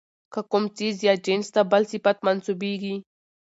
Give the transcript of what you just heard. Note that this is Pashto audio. که کوم څيز ىا جنس ته بل صفت منسوبېږي،